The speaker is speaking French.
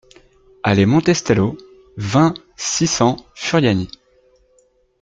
Allée Monte Stello, vingt, six cents Furiani